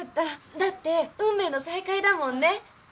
だって運命の再会だもんね。